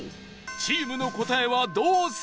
チームの答えはどうするのか？